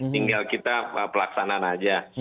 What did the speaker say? tinggal kita pelaksanaan saja